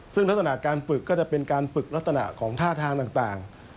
ซึ่งลักษณะการฝึกก็จะเป็นการฝึกลักษณะของท่าทางต่าง